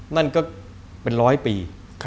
นั่นก็เป็น๑๐๐ปี